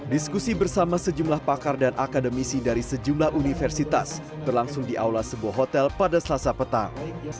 diskusi bersama sejumlah pakar dan akademisi dari sejumlah universitas berlangsung di aula sebuah hotel pada selasa petang